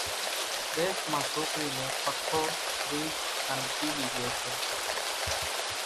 ۮيس مان سوڪرِي نين پکو، ڦِرج انين ٽِي وِي ڄيَ سي۔